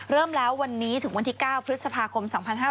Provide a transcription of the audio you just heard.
เริ่มแล้ววันนี้ถึงวันที่๙พฤษภาคม๒๕๕๙